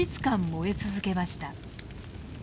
燃え続けました。